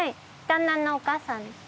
旦那のお母さんです。